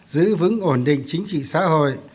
giữ vững ổn định chính trị xã hội